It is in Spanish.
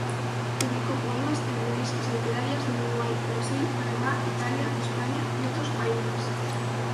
Publicó poemas en revistas literarias de Uruguay, Brasil, Panamá, Italia, España y otros países.